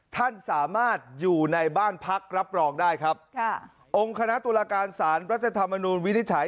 ท่านสามารถอยู่ในบ้านพักรับรองได้ครับค่ะองค์คณะตุลาการสารรัฐธรรมนูลวินิจฉัย